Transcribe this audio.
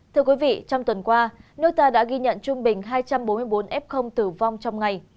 thưa quý vị trong tuần qua nước ta đã ghi nhận trung bình hai trăm bốn mươi bốn f tử vong trong ngày